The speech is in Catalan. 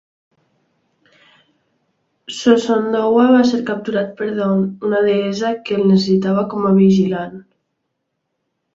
Sosondowah va ser capturat per Dawn, una deessa que el necessitava com a vigilant.